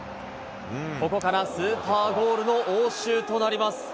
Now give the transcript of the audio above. ここからスーパーゴールの応酬となります。